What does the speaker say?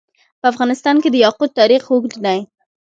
په افغانستان کې د یاقوت تاریخ اوږد دی.